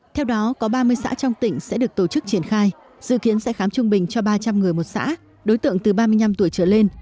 theo đó có ba mươi xã trong tỉnh sẽ được tổ chức triển khai dự kiến sẽ khám trung bình cho ba trăm linh người một xã đối tượng từ ba mươi năm tuổi trở lên